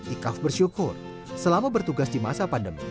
ikaf bersyukur selama bertugas di masa pandemi